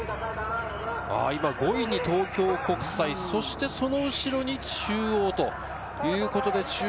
５位に東京国際、そしてその後ろに中央です。